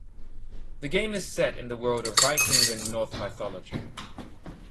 The game is set in the world of Vikings and Norse mythology.